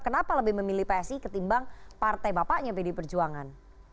kenapa lebih memilih psi ketimbang partai bapaknya pdi perjuangan